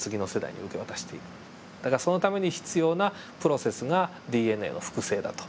だからそのために必要なプロセスがＤＮＡの複製だと。